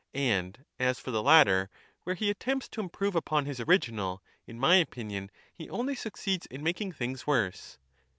And as for the latter, where lie attempts to improve upon his original, in my opinion he only succeeds in making things worse.